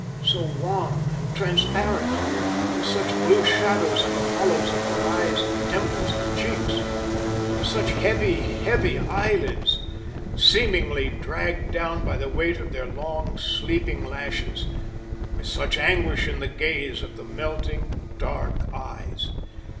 so wan and transparent, with such blue shadows in the hollows of her eyes and temples and cheeks with such heavy, heavy eyelids, seemingly dragged down by the weight of their long, sleeping lashes with such anguish in the gaze of the melting, dark eyes!